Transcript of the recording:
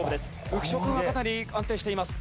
浮所君はかなり安定しています。